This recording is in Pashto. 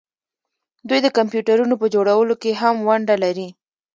دوی د کمپیوټرونو په جوړولو کې هم ونډه لري.